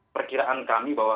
perkiraan kami bahwa